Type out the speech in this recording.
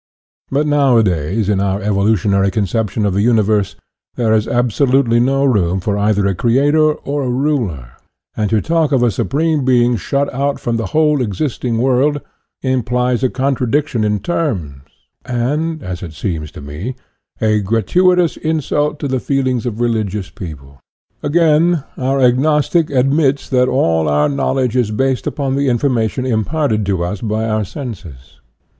But nowadays, in our evolutionary conception of the universe, there is absolutely no room for either a Creator or a Ruler; and to talk of a Supreme Being shut out from the whole existing world, implies a con tradiction in terms, and, as it seems to me, a gratuitous insult to the feelings of religious peo pie. Again, our agnostic admits that all our knowl edge is based upon the information imparted to us by our senses.